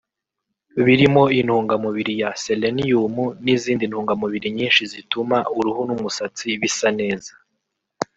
birimo intungamubiri ya seleniyumu n’izindi ntungamubiri nyinshi zituma uruhu n’umusatsi bisa neza